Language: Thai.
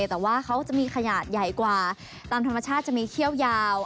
แต่ว่าเขาจะมีขนาดใหญ่กว่าตามธรรมชาติจะมีเขี้ยวยาว